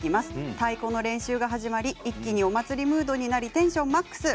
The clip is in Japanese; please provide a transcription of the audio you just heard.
太鼓の練習が始まり、一気にお祭りムードになりテンションマックス。